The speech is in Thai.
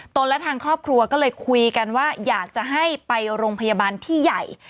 และทางครอบครัวก็เลยคุยกันว่าอยากจะให้ไปโรงพยาบาลที่ใหญ่